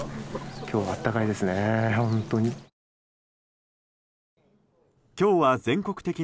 今日は暖かいですね、本当に。